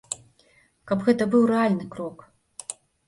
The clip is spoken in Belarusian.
Каб гэта быў рэальны крок.